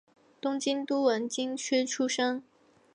东京都文京区出身。